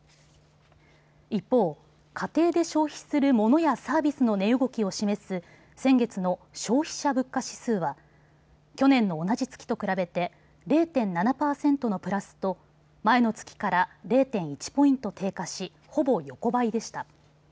一方、家庭で消費するモノやサービスの値動きを示す先月の消費者物価指数は去年の同じ月と比べて０．７％のプラスと前の月から０．１ポイント低下しほぼ横ばいでした。